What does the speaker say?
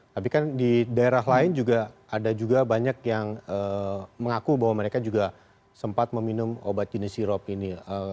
tapi kan di daerah lain juga ada juga banyak yang mengaku bahwa mereka juga sempat meminum obat jenis sirop ini